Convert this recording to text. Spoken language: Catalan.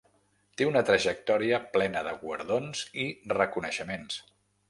Té una trajectòria plena de guardons i reconeixements.